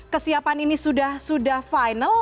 kesiapan ini sudah final